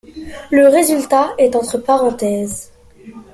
Le résultat est entre parenthèses.